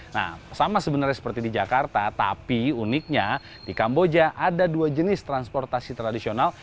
nah sama sebenarnya seperti di jakarta tapi uniknya di kamboja ada dua jenis transportasi tradisional